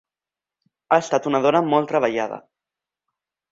Ha estat una dona molt treballada.